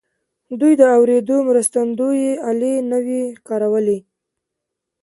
دوی د اورېدو مرستندويي الې نه وې کارولې.